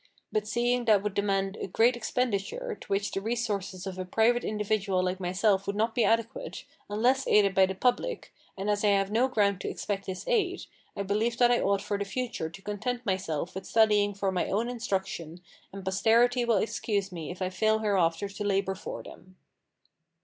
But seeing that would demand a great expenditure, to which the resources of a private individual like myself would not be adequate, unless aided by the public, and as I have no ground to expect this aid, I believe that I ought for the future to content myself with studying for my own instruction, and posterity will excuse me if I fail hereafter to labour for them.